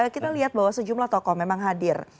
kita lihat bahwa sejumlah tokoh memang hadir